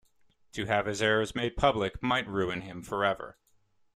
To have his errors made public might ruin him for ever.